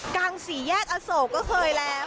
กลางสี่แยกอโศกก็เคยแล้ว